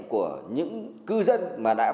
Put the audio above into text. của những cư dân mà đã vào đây ở